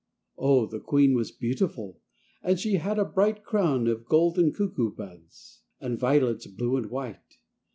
Oh, the queen was beautiful! And she had a bright Crown of golden cuckoo buds And violets blue and white.